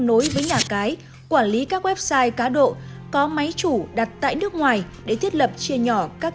nối với nhà cái quản lý các website cá độ có máy chủ đặt tại nước ngoài để thiết lập chia nhỏ các